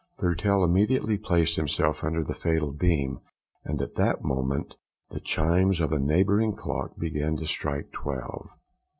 Thurtell immediately placed himself under the fatal beam, and at that moment the chimes of a neighbouring clock began to strike twelve.